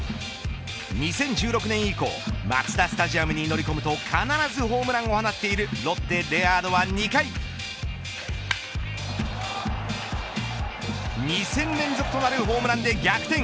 ２０１６年以降マツダスタジアムに乗り込むと必ずホームランを放っているロッテ、レアードは２回２戦連続となるホームランで逆転。